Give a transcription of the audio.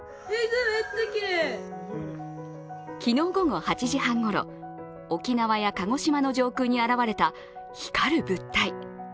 昨日午後８時半ごろ、沖縄や鹿児島の上空に現れた光る物体。